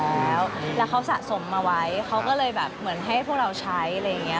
แล้วเขาสะสมมาไว้เขาก็เลยแบบเหมือนให้พวกเราใช้อะไรอย่างนี้